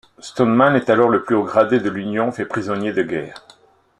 Stoneman est alors le plus haut gradé de l'Union fait prisonnier de guerre.